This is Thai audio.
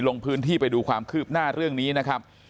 ลงพื้นที่ไปดูความคืบหน้าเรื่องนี้นะครับ